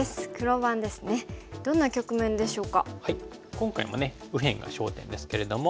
今回もね右辺が焦点ですけれども。